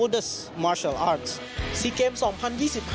เดิมสู่โลกและแบบนี้